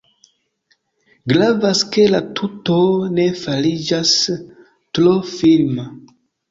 Gravas ke la tuto ne fariĝas tro firma.